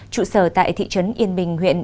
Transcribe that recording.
trụ sở tại thị trấn yên bình huyện